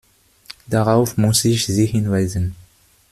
Darauf muss ich Sie hinweisen.